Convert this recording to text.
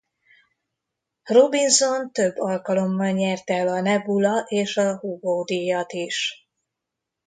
Robinson több alkalommal nyerte el a Nebula- és a Hugo-díjat is.